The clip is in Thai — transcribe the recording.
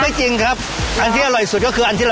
ไม่จริงครับอาร่อยสุดครับคือเรากินครับ